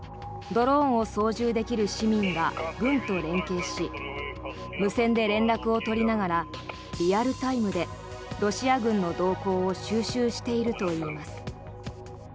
ドローンを操縦できる市民が軍と連携し無線で連絡を取りながらリアルタイムでロシア軍の動向を収集しているといいます。